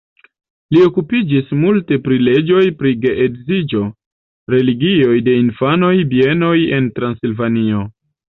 Li okupiĝis multe pri leĝoj pri geedziĝo, religioj de infanoj, bienoj en Transilvanio.